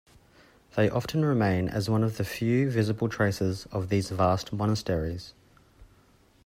They often remain as one of the few visible traces of these vast monasteries.